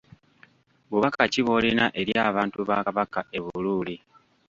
Bubaka ki bw'olina eri abantu ba Kabaka e Buluuli?